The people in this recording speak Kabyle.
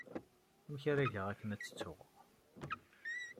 Amek ara geɣ akken ad tt-ttuɣ?